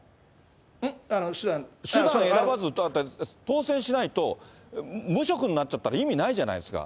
ん？手段？手段選ばず、当選しないと、無職になっちゃったら、意味ないじゃないですか。